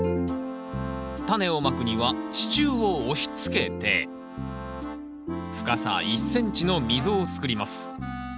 タネをまくには支柱を押しつけて深さ１ｃｍの溝を作ります。